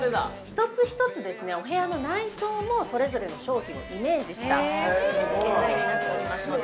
◆一つ一つ、お部屋の内装もそれぞれの商品をイメージしたデザインになっておりますので。